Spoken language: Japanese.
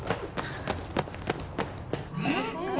えっ？